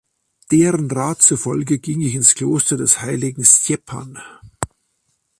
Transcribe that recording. Deren Rat zufolge ging ich ins Kloster des heiligen Stjepan.